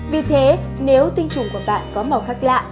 vì thế nếu tinh trùng của bạn có màu khác lạ